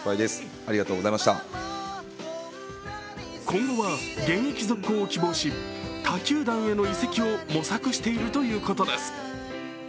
今後は現役続行を希望し他球団への移籍を模索しているということです。